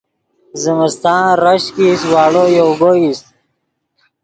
زمستان ریشک ایست واڑو یوگو ایست